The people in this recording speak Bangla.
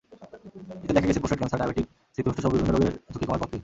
এতে দেখা গেছে, প্রোস্টেট ক্যানসার, ডায়াবেটিক, স্মৃতিভ্রষ্টসহ বিভিন্ন রোগের ঝুঁকি কমায় কফি।